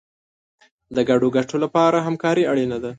د ګډو ګټو لپاره همکاري اړینه ده.